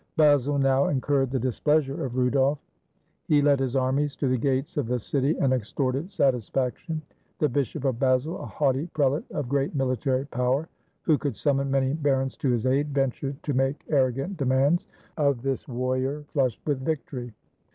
Basle now incurred the displeasure of Rudolf. He led his armies to the gates of the city, and extorted satisfaction. The Bishop of Basle, a haughty prelate of great military power, who could summon many barons to his aid, ventured to make arrogant demands of this warrior flushed with victory.